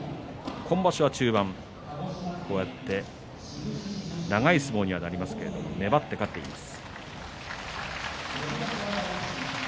今場所中盤、こうやって長い相撲にはなりますが粘って勝っています。